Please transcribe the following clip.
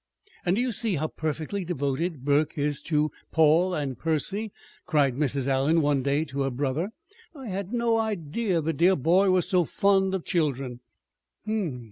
"And do you see how perfectly devoted Burke is to Paul and Percy?" cried Mrs. Allen, one day, to her brother. "I had no idea the dear boy was so fond of children!"